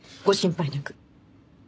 ご心配なく。